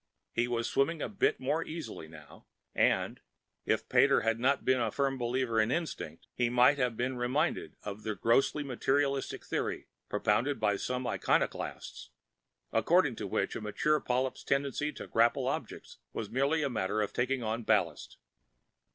He was swimming a bit more easily now and, if Pater had not been a firm believer in Instinct, he might have been reminded of the grossly materialistic theory, propounded by some iconoclast, according to which a maturing polyp's tendency to grapple objects was merely a matter of taking on ballast.